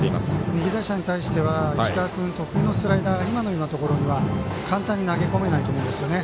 右打者に対しては石川君、得意のスライダー今のようなところには簡単に投げ込めないと思いますね。